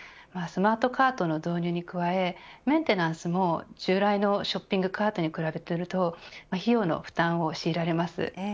スマートカートの導入に加えメンテナンスも従来のショッピングカートに比べると費用の負担を強いられます。